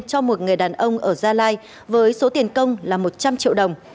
cho một người đàn ông ở gia lai với số tiền công là một trăm linh triệu đồng